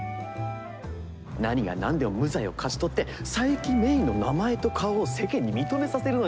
何が何でも無罪を勝ち取って佐伯芽依の名前と顔を世間に認めさせるのよ。